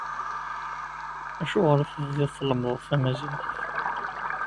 Acuɣer i tebdiḍ tlemmdeḍ tamaziɣt?